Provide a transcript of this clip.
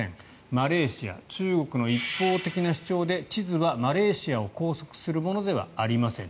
マレーシア中国の一方的な主張で地図はマレーシアを拘束するものではありません。